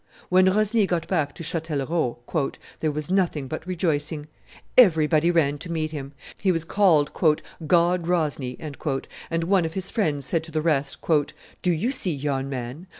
When Rosny got back to Chatellerault, "there was nothing but rejoicing; everybody ran to meet him; he was called 'god Rosny,' and one of his friends said to the rest, 'Do you see yon man?